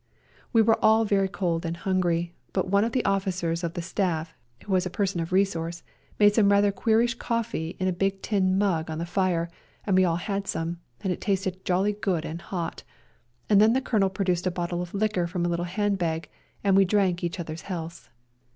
We were all very cold and hungry, but one of the officers of the staff, who was a person of resource, made some rather queerish coffee in a big tin mug on the fire, and we all had some, and it tasted jolly good and hot, and then the Colonel produced a bottle of liqueur from a little handbag, and we drank each other's healths.